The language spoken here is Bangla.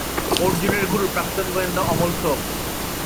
অর্জুনের গুরু প্রাক্তন গোয়েন্দা অমল সোম।